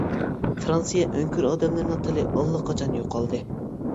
فىرانسىيە ئۆڭكۈر ئادەملىرىنىڭ تىلى ئاللىقاچان يوقالدى.